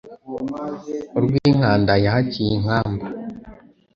Urw'i Nkanda yahaciye inkamba